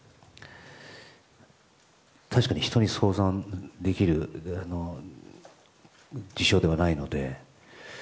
確かに人に相談できる事象ではないので。